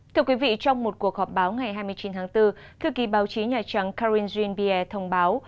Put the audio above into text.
thưa quý vị trong một cuộc họp báo ngày hai mươi chín tháng bốn thư ký báo chí nhà trắng karine jean pierre thông báo